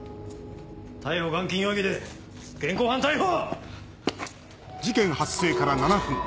逮捕監禁容疑で現行犯逮捕！